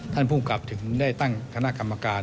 ท่านผู้กรรมกรับถึงได้ตั้งคณะกรรมการ